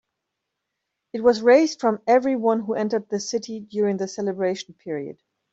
It was raised from everyone who entered the city during the celebration period.